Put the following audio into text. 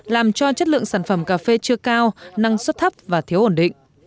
làm cho chất lượng sản phẩm cà phê chưa cao năng suất thấp và thiếu ổn định